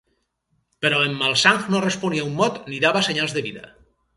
Però en Malsang no responia un mot ni dava senyals de vida.